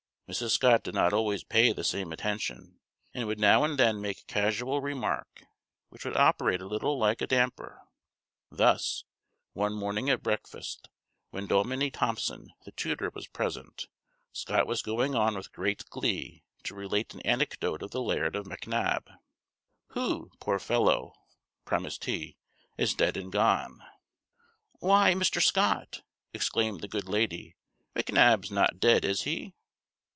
Mrs. Scott did not always pay the same attention, and would now and then make a casual remark which would operate a little like a damper. Thus, one morning at breakfast, when Dominie Thomson, the tutor, was present, Scott was going on with great glee to relate an anecdote of the laird of Macnab, "who, poor fellow," premised he, "is dead and gone " "Why, Mr. Scott," exclaimed the good lady, "Macnab's not dead, is he?"